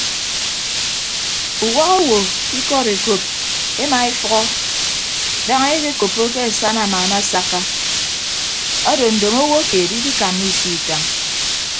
Uwak owo ke ikọd ekop ema efʌhọ daña ekoppo ke asana amaana asakka ado ndomo owo keed ikikanna isio itañ.